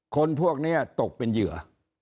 คนพวกนี้ตกเป็นเหยื่อ